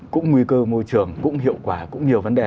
cũng nguy cơ môi trường cũng hiệu quả cũng nhiều vấn đề